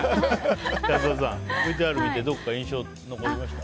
安田さん、ＶＴＲ見てどこか印象残りました？